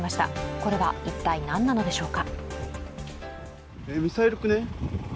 これは一体、何なのでしょうか？